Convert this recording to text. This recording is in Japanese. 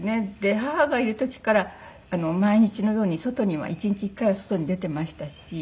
母がいる時から毎日のように外には１日１回は外に出てましたし。